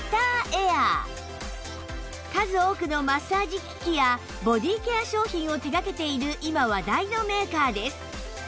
数多くのマッサージ機器やボディケア商品を手掛けている今話題のメーカーです